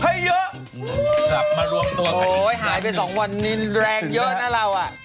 กลับมาร่วมตัวกันอีกนานหนึ่งโอ้ยหายไปสองวันนี้แรงเยอะนะเราอ่ะ